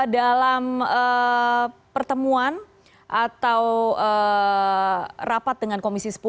dalam pertemuan atau rapat dengan komisi sepuluh